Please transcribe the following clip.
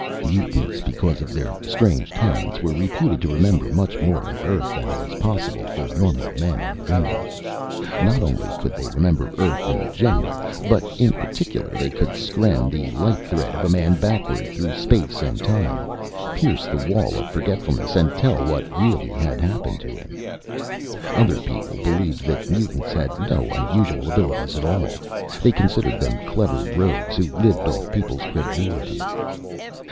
Mutants, because of their strange talents, were reputed to remember much more of Earth than was possible for normal men and women. Not only could they remember Earth in general, but in particular they could skren the life thread of a man backward through space and time, pierce the wall of forgetfulness and tell what really had happened to him. Other people believed that mutants had no unusual abilities at all. They considered them clever rogues who lived off people's credulity.